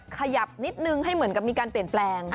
ขยับนิดนึงให้เหมือนกับมีการเปลี่ยนแปลง